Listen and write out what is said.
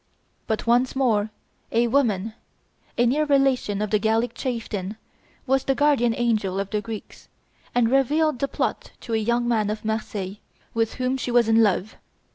But once more a woman, a near relation of the Gallic chieftain, was the guardian angel of the Greeks, and revealed the plot to a young man of Marseilles, with whom she was in love.